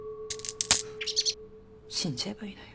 死んじゃえばいいのよ